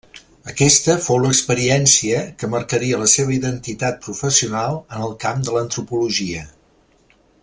Aquesta fou l'experiència que marcaria la seva identitat professional en el camp de l'antropologia.